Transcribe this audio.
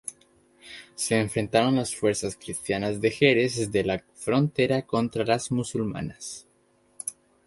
Se enfrentaron las fuerzas cristianas de Jerez de la Frontera contra las musulmanas.